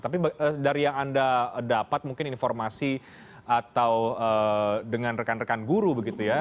tapi dari yang anda dapat mungkin informasi atau dengan rekan rekan guru begitu ya